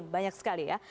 banyak sekali ya